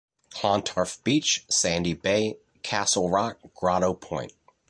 Clontarf Beach, Sandy Bay, Castle Rock, Grotto Point.